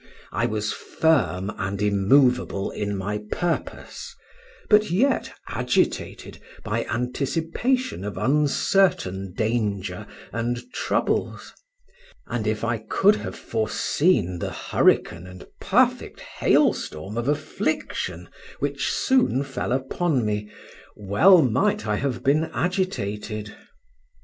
I was firm and immovable in my purpose; but yet agitated by anticipation of uncertain danger and troubles; and if I could have foreseen the hurricane and perfect hail storm of affliction which soon fell upon me, well might I have been agitated.